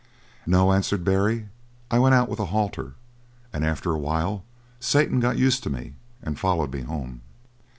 "No," answered Barry, "I went out with a halter and after a while Satan got used to me and followed me home."